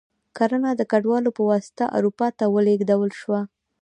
کرنه د کډوالو په واسطه اروپا ته ولېږدول شوه.